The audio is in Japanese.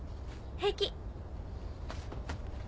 平気。